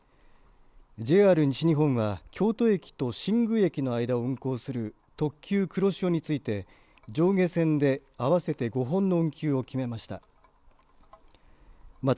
ＪＲ西日本は京都駅と新宮駅の間を運行する特急くろしおについて上下線で合わせて５本の運休を決めました。